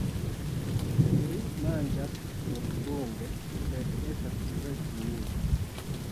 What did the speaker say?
Ili manĝas surgrunde, sed estas tre timida.